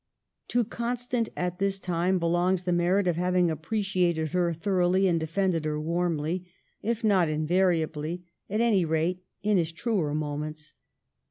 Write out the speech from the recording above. To Constant, at this time, belongs the merit of having appreciated her thoroughly and defended her warmly — if not invariably, at any rate in his truer moments.